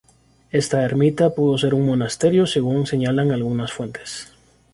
Esta ermita pudo ser un monasterio según señalan algunas fuentes.